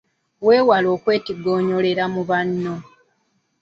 Weewale okwetigoonyolera mu banno.